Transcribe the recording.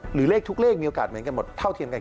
เลขทุกเลขมีโอกาสเหมือนกันหมดเท่าเทียมกัน